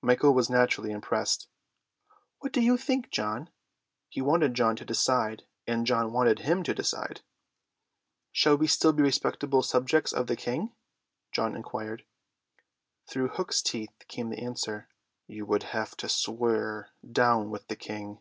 Michael was naturally impressed. "What do you think, John?" He wanted John to decide, and John wanted him to decide. "Shall we still be respectful subjects of the King?" John inquired. Through Hook's teeth came the answer: "You would have to swear, 'Down with the King.